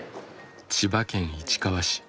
千葉県市川市。